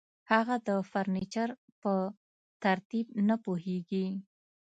هغه د فرنیچر په ترتیب نه پوهیږي